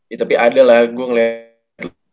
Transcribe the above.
ya tapi ada lah gue liat